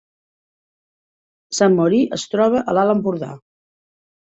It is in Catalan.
Sant Mori es troba a l’Alt Empordà